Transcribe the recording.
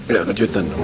gak keliatan dong